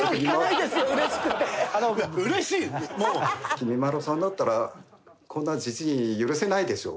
きみまろさんだったらこんなじじい許せないでしょ？